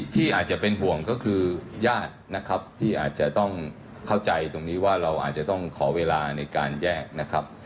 ที่อาจจะเป็นห่วงก็คือญาตินะครับที่อาจจะต้องเข้าใจตรงนี้ว่าเราอาจจะต้องขอเวลาในการแยกนะครับ